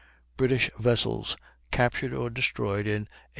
BRITISH VESSELS CAPTURED OR DESTROYED IN 1812.